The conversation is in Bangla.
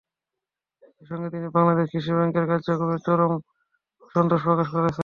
একই সঙ্গে তিনি বাংলাদেশ কৃষি ব্যাংকের কার্যক্রমে চরম অসন্তোষ প্রকাশ করেছেন।